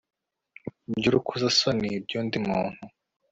by urukozasoni by undi muntu